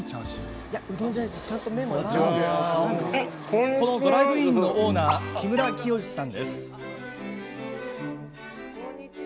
このドライブインのオーナー木村清さんです。